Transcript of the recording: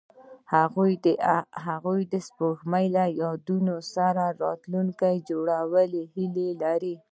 هغوی د سپوږمۍ له یادونو سره راتلونکی جوړولو هیله لرله.